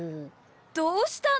どうしたの？